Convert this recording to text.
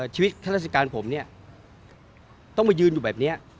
ข้าราชการผมเนี่ยต้องมายืนอยู่แบบนี้